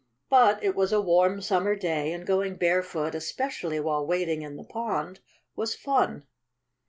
But it was a warm summer day, and going barefoot especially while wading in the pond, was fun.